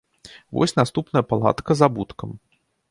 Вось наступная палатка з абуткам.